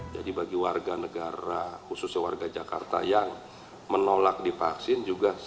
jadi bagi warga negara khususnya warga jakarta yang menolak divaksin